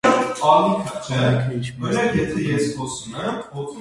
Համայնքը էջմիածնապատական է։